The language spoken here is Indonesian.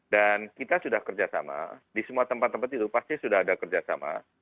dan kita sudah kerjasama di semua tempat tempat itu pasti sudah ada kerjasama